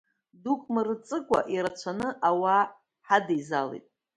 Дук Мырҵыкәа ирацәаны ауаа ҳадеизалеит.